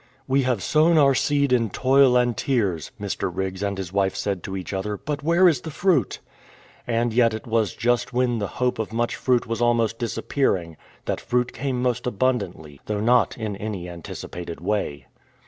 " We have sown our seed in toil and tears," Mr. Biggs and his wife said to each other, " but where is the fruit ?"^ And yet it was THE INDIAN RISING just when the hope of much fruit was almost disappear ing that fruit came most abundantly, though not in any anticipated way.